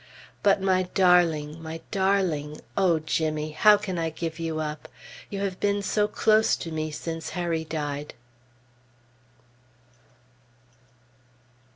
But my darling! my darling! O Jimmy! How can I give you up? You have been so close to me since Harry died!